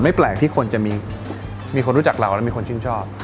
แปลกที่คนจะมีคนรู้จักเราและมีคนชื่นชอบ